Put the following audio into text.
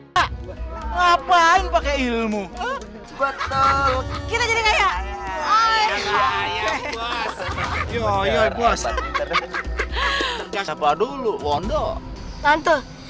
hai hai hai apaan pakai ilmu betul kita jadi kaya ayo ayo ayo bos terima dulu wondo nanti